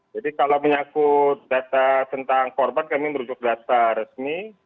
jadi kalau menyangkut data tentang korban kami merujuk data resmi